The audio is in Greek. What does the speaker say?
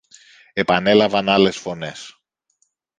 επανέλαβαν άλλες φωνές.